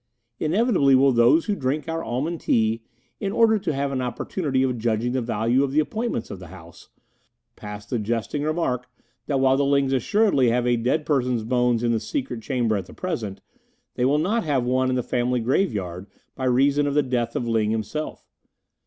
Inevitably will those who drink our almond tea, in order to have an opportunity of judging the value of the appointments of the house, pass the jesting remark that while the Lings assuredly have 'a dead person's bones in the secret chamber,' at the present they will not have one in the family graveyard by reason of the death of Ling himself.